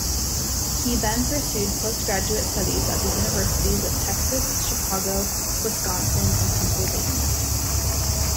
He then pursued postgraduate studies at the universities of Texas, Chicago, Wisconsin, and Pennsylvania.